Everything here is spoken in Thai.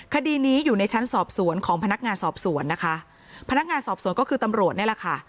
คดีนี้อยู่ในชั้นสอบสวนของพนักงานสอบสวนนะคะพนักงานสอบสวนก็คือตำรวจนี่แหละค่ะ